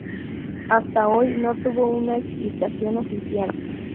Hasta hoy no hubo una explicación oficial.